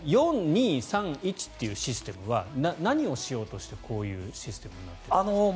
この４−２−３−１というシステムは何をしようとしてこういうシステムになっているんですか。